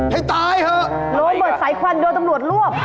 ให้ตายเหอะล้มเบิดสายควันโดยตำรวจรวบ